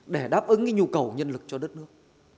để đáp ứng cái nhu cầu nhân lực cho đất nước